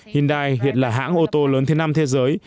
hyundai hiện là hãng ô tô lớn thứ năm thế giới